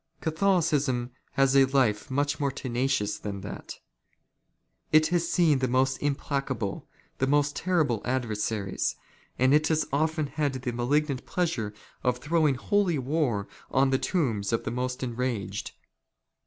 Catholicism has a life much more " tenacious than that. It has seen the most implacable, the most " terrible adversaries ; and it has often had the malignant pleasure '' of throwing holy water on the tombs of the most enraged.